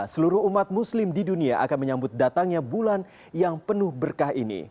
seluruh umat muslim di dunia akan menyambut datangnya bulan yang penuh berkah ini